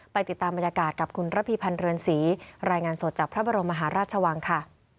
ติดตามบรรยากาศกับคุณระพีพันธ์เรือนศรีรายงานสดจากพระบรมมหาราชวังค่ะ